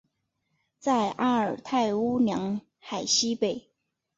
在阿尔泰乌梁海西北。